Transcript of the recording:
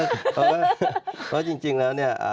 เพราะว่าจริงแล้วเนี่ย